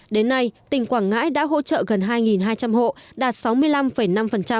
đến nay tỉnh quảng ngãi đã hỗ trợ gần hai hai trăm linh hộ đạt sáu mươi năm năm